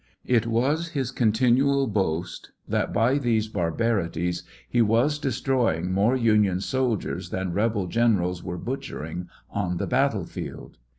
It was his continual boaat that by these barbarities he was destroying more Union soldiers than rebel generals were butchering on the battle field.